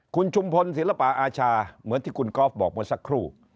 คุณชุมพลศิลปะอาชาเหมือนที่คุณก๊อฟบอกเมื่อสักครู่